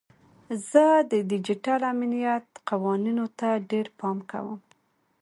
زه د ډیجیټل امنیت قوانینو ته ډیر پام کوم.